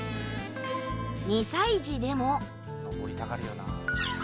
２歳児でも。